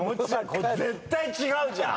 これ絶対違うじゃん！